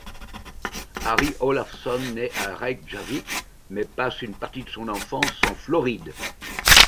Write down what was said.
Ari Ólafsson naît à Reykjavík, mais passe une partie de son enfance en Floride.